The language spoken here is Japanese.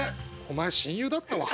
お前親友だったわ」。